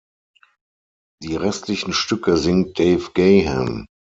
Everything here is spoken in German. Die restlichen Stücke singt Dave Gahan.